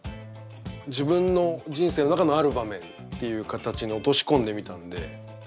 自分の人生の中のある場面っていう形に落とし込んでみたんで。